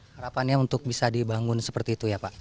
harapannya untuk bisa dibangun seperti itu ya pak